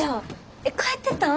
えっ帰ってたん？